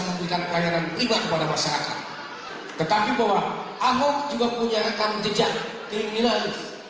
memberikan pelayanan pribadi kepada masyarakat tetapi bahwa ahok juga punya rekam jejak keinginan